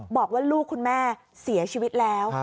บอกว่าลูกคุณแม่เสียชีวิตแล้ว